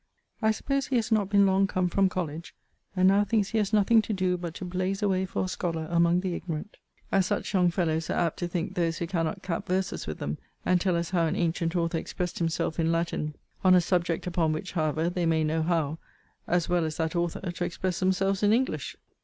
I suppose he has not been long come from college, and now thinks he has nothing to do but to blaze away for a scholar among the ignorant; as such young fellows are apt to think those who cannot cap verses with them, and tell us how an antient author expressed himself in Latin on a subject, upon which, however, they may know how, as well as that author, to express themselves in English.